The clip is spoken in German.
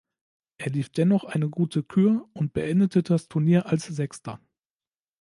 Er lief dennoch eine gute Kür und beendete das Turnier als Sechster.